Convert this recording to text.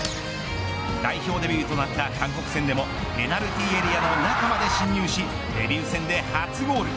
代表デビューとなった韓国戦でもペナルティーエリアの中まで侵入しデビュー戦で初ゴール。